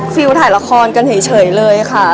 ฟิลถ่ายละครกันเฉยเลยค่ะ